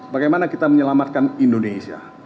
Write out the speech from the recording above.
bagaimana kita menyelamatkan indonesia